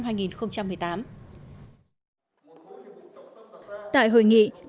hội nghị đại tượng thích thanh sam